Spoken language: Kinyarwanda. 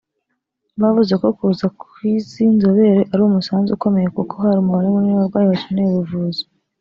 bavuze ko kuza kw’izi nzobere ari umusanzu ukomeye kuko hari umubare munini w’abarwayi bakeneye ubuvuzi